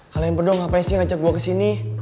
kalian berdua ngapain sih ngajak gue kesini